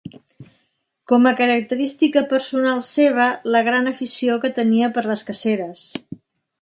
Com a característica personal seva la gran afició que tenia per les caceres.